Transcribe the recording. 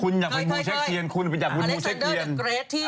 คุณอยากเป็นผู้เช็คเทียนคุณอยากเป็นผู้เช็คเทียนคุณอยากเป็นผู้เช็คเทียน